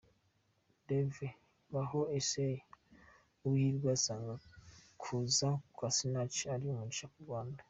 Rev Baho Isaie Uwihirwe asanga kuza kwa Sinach ari umugisha ku Rwanda.